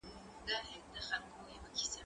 زه اوږده وخت سبا ته فکر کوم!.